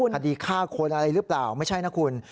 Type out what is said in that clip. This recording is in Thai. คดีฆ่าคนอะไรหรือเปล่าไม่ใช่นะคุณ